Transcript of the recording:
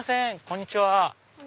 こんにちは。